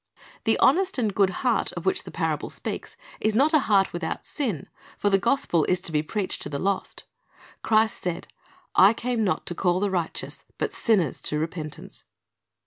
The "honest and good heart" of which the parable speaks, is not a heart without sin; for the gospel is to be preached to the lost. Christ said, "I came not to call the righteous, but sinners to repentance."